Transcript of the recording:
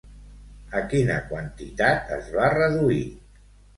A quina quantitat es va reduir?